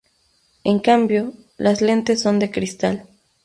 En cambio, las lentes son de cristal.